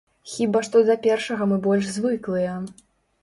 Хіба што да першага мы больш звыклыя.